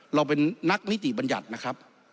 เราเป็นนักนิติบัญญัตินะครับ